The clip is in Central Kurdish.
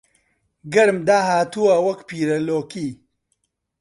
گەرم داهاتووە وەک پیرە لۆکی